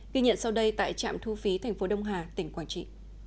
ghi nhận sau đây tại trạm thu phí tp đông hà tỉnh quảng trị